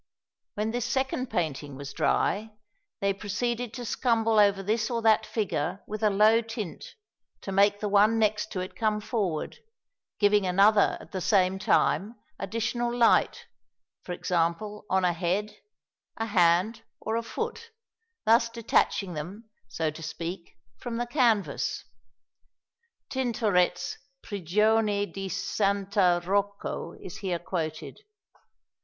When this second painting was dry, they proceeded to scumble over this or that figure with a low tint to make the one next it come forward, giving another, at the same time, an additional light for example, on a head, a hand, or a foot, thus detaching them, so to speak, from the canvas." (Tintoret's Prigionia di S. Rocco is here quoted.)